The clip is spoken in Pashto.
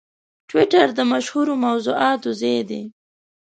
ټویټر د مشهورو موضوعاتو ځای دی.